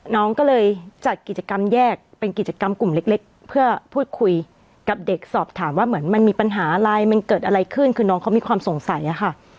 น้องก็เลยจัดกิจกรรมแยกเป็นกิจกรรมกลุ่มเล็กเพื่อพูดคุยกับเด็กสอบถามว่าเหมือนมันมีปัญหาอะไรมันเกิดอะไรขึ้นคือน้องเขามีความสงสัยอะค่ะ